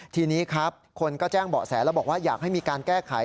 ทีนี้ครับคนก็แจ้งเบาะแสแล้วบอกว่าอยากให้มีการแก้ไข